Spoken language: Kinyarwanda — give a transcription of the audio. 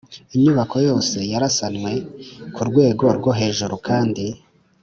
Inyubako yose yarasanwe ku rwego rwo hejuru kandi